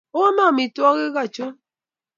Iome amitwogik anchochon ?